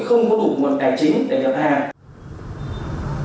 không có đủ nguồn tài chính để gặp hàng